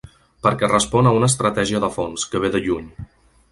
Perquè respon a una estratègia de fons, que ve de lluny.